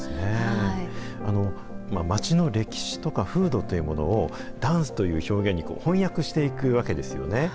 街の歴史とか風土というものをダンスという表現に翻訳していくわけですよね。